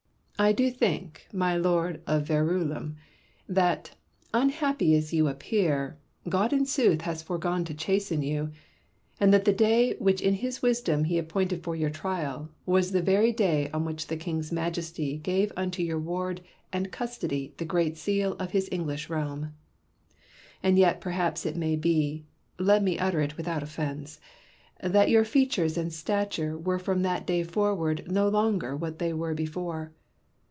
Hooker. I do think, my Lord of Verulam, that, unhappy as you appear, God in sooth has foregone to chasten you, and that the day which in his wisdom he appointed for your trial, was the very day on which the King's Majesty gave unto your ward and custody the great seal of his English realm. And yet perhaps it may be — let me utter it without offence — that your features and stature were from that day forward no longer what they were before.